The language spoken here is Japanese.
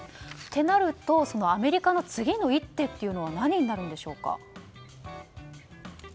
となるとアメリカの次の一手というのは何になるんでしょうか？